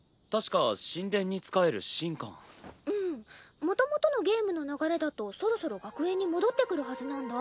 もともとのゲームの流れだとそろそろ学園に戻ってくるはずなんだ。